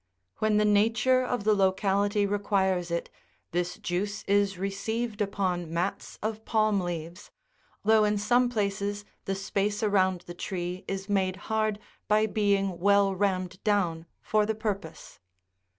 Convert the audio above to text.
When the nature of the locality re quires it, this juice is received upon mats of palm leaves, though in some places the space around the tree is made hard by being well rammed down for the purpose.